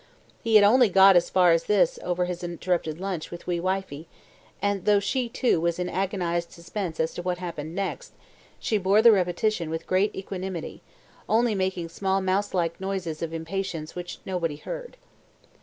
He had only got as far as this over his interrupted lunch with wee wifie, and though she, too, was in agonized suspense as to what happened next, she bore the repetition with great equanimity, only making small mouse like noises of impatience which nobody heard.